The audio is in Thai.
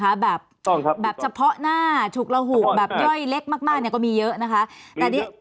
ก็เรียกว่าแบบเฉพาะหน้าฉุกระหูแบบย่อยเล็กมากเนี่ยก็มีเยอะนะครับ